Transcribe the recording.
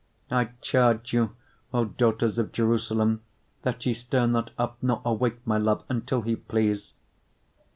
8:4 I charge you, O daughters of Jerusalem, that ye stir not up, nor awake my love, until he please.